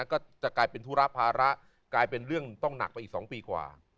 ก็จะกลายเป็นธุระภาระกลายเป็นเรื่องต้องหนักไปอีก๒ปีกว่า